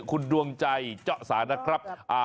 คุณดวงใจเจาะสานะครับ